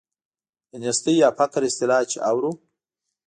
د نیستۍ یا فقر اصطلاح چې اورو.